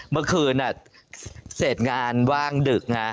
เมื่อคืนเสร็จงานว่างดึก